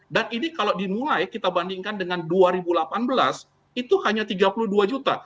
dan ini kalau dimulai kita bandingkan dengan dua ribu delapan belas itu hanya tiga puluh dua juta